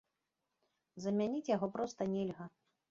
Замяніць яго проста нельга.